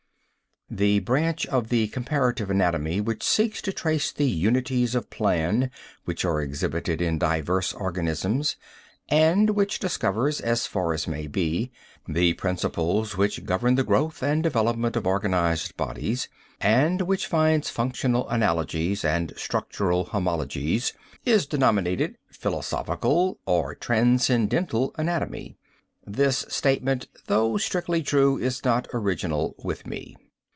The branch of the comparative anatomy which seeks to trace the unities of plan which are exhibited in diverse organisms, and which discovers, as far as may be, the principles which govern the growth and development of organized bodies, and which finds functional analogies and structural homologies, is denominated philosophical or transcendental anatomy. (This statement, though strictly true, is not original with me.)